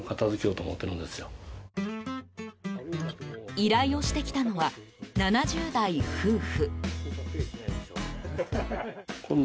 依頼をしてきたのは７０代夫婦。